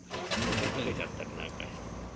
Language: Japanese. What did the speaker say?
ぶっかけちゃったりなんかして。